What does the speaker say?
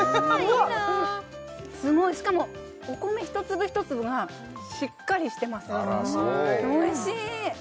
すごいしかもお米一粒一粒がしっかりしてますおいしい！